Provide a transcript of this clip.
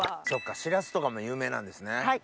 そっかしらすとかも有名なんですね。